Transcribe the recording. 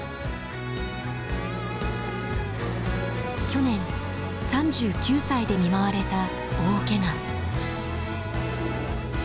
去年３９歳で見舞われた大けが。